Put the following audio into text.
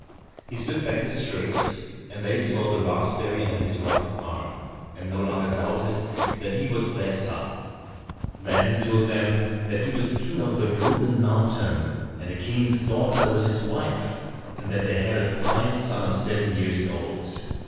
He slipped back his shirt, and they saw the raspberry under his right arm, and no longer doubted that he was their son. Then he told them that he was King of the Golden Mountain, and a king's daughter was his wife, and that they had a fine son of seven years old.